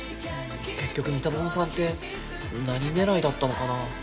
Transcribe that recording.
結局三田園さんって何狙いだったのかな？